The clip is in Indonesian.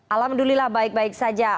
alhamdulillah baik baik saja